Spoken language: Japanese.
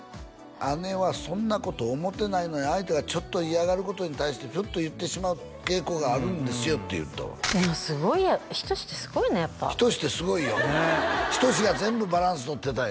姉はそんなこと思ってないのに相手がちょっと嫌がることに対してフッと言ってしまう傾向があるんですよって言うてたわすごいや仁ってすごいねやっぱ仁ってすごいよ仁が全部バランス取ってたよ